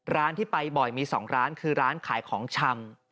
ร้านที่ไปบ่อยมี๒ร้านคือร้านขายของชำ